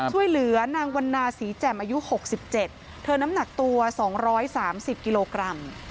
ช่วยเหลือนางวันนาศรีแจ่มอายุ๖๗เธอน้ำหนักตัว๒๓๐กิโลกรัม